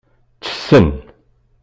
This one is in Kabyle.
Ttessen.